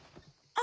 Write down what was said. あ！